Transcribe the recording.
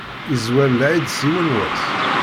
Izwer lɛid s yiwen wass.